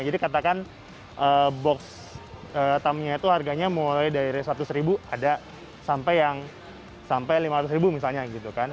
jadi katakan box tamiah itu harganya mulai dari rp satu sampai rp lima ratus misalnya